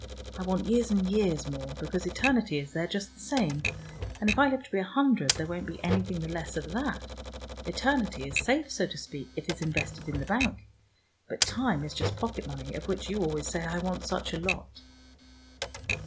I want years and years more, because eternity is there just the same, and if I live to be a hundred there won't be anything the less of that. Eternity is safe, so to speak: it is invested in the bank, but time is just pocket money, of which you always say I want such a lot.